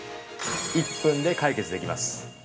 １分で解決できます。